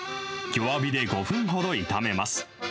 弱火で５分ほど炒めます。